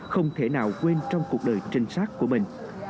không thể nào quên trong cuộc đời trinh sát của mình